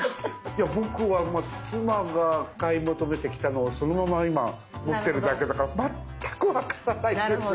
僕は妻が買い求めてきたのをそのまま今持ってるだけだから全く分からないんです。